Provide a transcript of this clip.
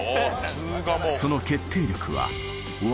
その決定力はゴル！